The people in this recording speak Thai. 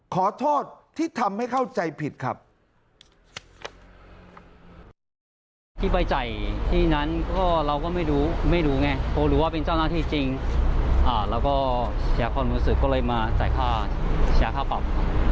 ขอโทษที่ทำให้เข้าใจผิดครับ